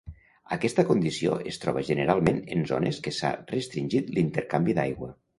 Aquesta condició es troba generalment en zones que s'ha restringit l'intercanvi d'aigua.